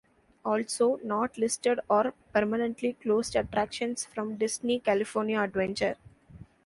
Also not listed are permanently closed attractions from Disney California Adventure.